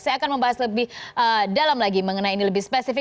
saya akan membahas lebih dalam lagi mengenai ini lebih spesifik